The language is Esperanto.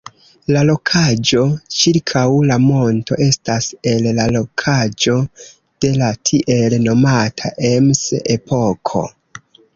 La rokaĵo ĉirkaŭ la monto estas el la rokaĵo de la tiel nomata "Ems-epoko".